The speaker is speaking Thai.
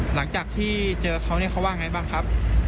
หลังจากที่เจอเขาเนี่ยเขาว่าไงบ้างครับ